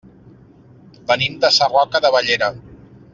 Venim de Sarroca de Bellera.